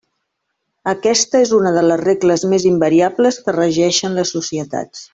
Aquesta és una de les regles més invariables que regeixen les societats.